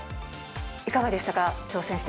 いかがでしたか？